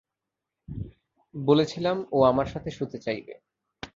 বলেছিলাম ও আমার সাথে শুতে চাইবে।